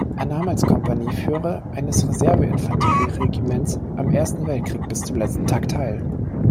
Er nahm als Kompanieführer eines Reserve-Infanterie-Regiments am Ersten Weltkrieg bis zum letzten Tag teil.